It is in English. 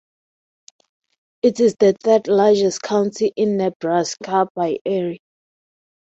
It is the third-largest county in Nebraska by area.